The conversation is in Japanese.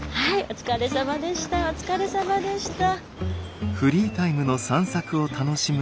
お疲れさまでした。